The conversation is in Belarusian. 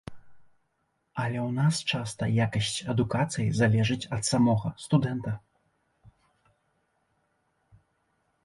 Але ў нас часта якасць адукацыі залежыць ад самога студэнта.